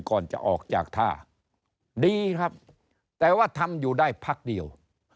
ก่อนจะออกจากท่าดีครับแต่ว่าทำอยู่ได้พักเดียว